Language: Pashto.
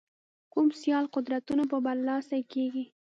کوم سیال قدرتونه به برلاسي کېږي.